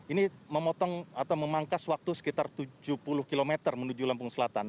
ini memotong atau memangkas waktu sekitar tujuh puluh km menuju lampung selatan